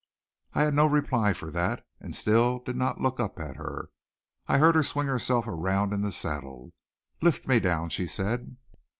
I had no reply for that and still did not look up at her. I heard her swing herself around in the saddle. "Lift me down," she said.